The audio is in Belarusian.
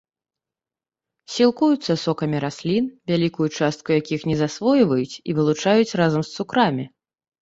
Сілкуюцца сокамі раслін, вялікую частку якіх не засвойваюць і вылучаюць разам з цукрамі.